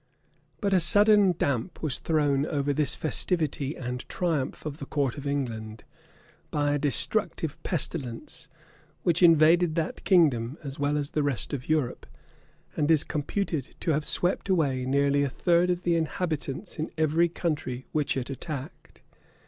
But a sudden damp was thrown over this festivity and triumph of the court of England, by a destructive pestilence, which invaded that kingdom as well as the rest of Europe; and is computed to have swept away near a third of the inhabitants in every country which it attacked.